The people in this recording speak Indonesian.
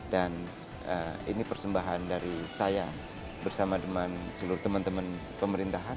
dan ini persembahan dari saya bersama dengan seluruh teman teman pemerintahan